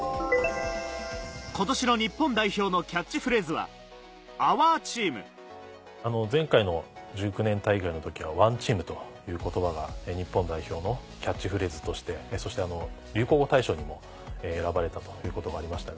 今年の日本代表のキャッチフレーズは「ＯｕｒＴｅａｍ」前回の１９年大会の時は「ＯＮＥＴＥＡＭ」という言葉が日本代表のキャッチフレーズとしてそして流行語大賞にも選ばれたということもありましたが